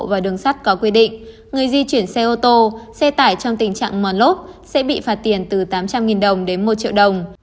và đường sắt có quy định người di chuyển xe ô tô xe tải trong tình trạng mòn lốp sẽ bị phạt tiền từ tám trăm linh đồng đến một triệu đồng